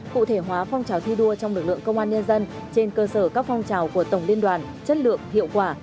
cụ thể hóa phong trào thi đua trong lực lượng công an nhân dân trên cơ sở các phong trào của tổng liên đoàn chất lượng hiệu quả